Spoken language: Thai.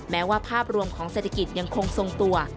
แม้ว่าภาพรวมของเศรษฐกิจยังคงทรงตัว